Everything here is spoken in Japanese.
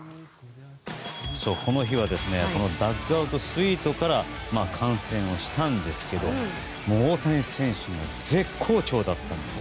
この日はダッグアウトスイートから観戦をしたんですけど大谷選手、絶好調だったんです。